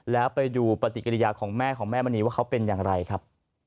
แล้วไปดูปฏิกิริยาของแม่ของแม่มณีว่าเขาเป็นอย่างไรครับ